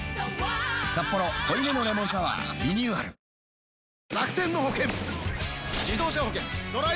「サッポロ濃いめのレモンサワー」リニューアルあっ。